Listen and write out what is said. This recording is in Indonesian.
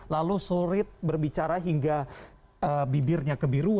lalu surit berbicara hingga bibirnya kebiruan